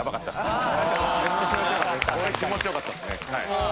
これ気持ちよかったですね。